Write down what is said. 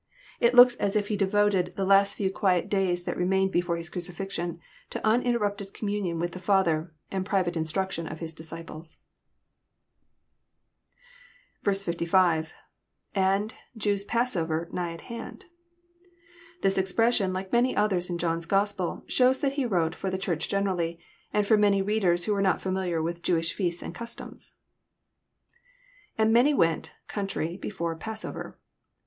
It looks as if Ha 804 EXPOSITORY THOUGHTS. devoted the last few qnlet days that remained before His crnc!< flxioD, to UD interrupted communion with the father, and pri vate instruction of His disciples. 55. — lAnd,..Je^ot^ pa880ver..,nigh at hand.'] This expression, like many others in John's Gospel, shows that he wrote for the Church generally, and for many readers who were not familiar with Jewish feasts and customs. lAnd many V)ent...country,..before.,.pa88over.'